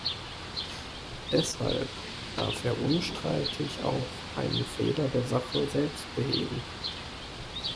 Deshalb darf er unstreitig auch einen Fehler der Sache selbst beheben.